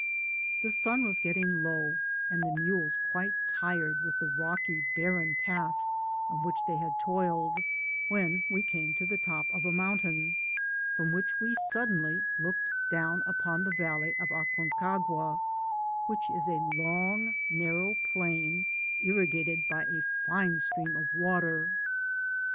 The sun was getting low, and the mules quite tired with the rocky barren path on which they had toiled, when we came to the top of a mountain, from which we suddenly looked down upon the val ley of Aconcagua, which is a long narrow plain, irri gated by a fine stream of water.